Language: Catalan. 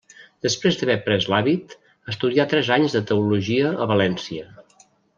Després d'haver pres l'hàbit, estudià tres anys de teologia a València.